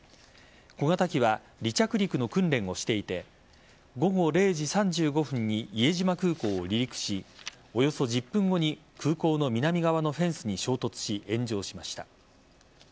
小型機は離着陸の訓練をしていて午後０時３５分に伊江島空港を離陸しおよそ１０分後に空港の南側のフェンスに衝突し炎上しました。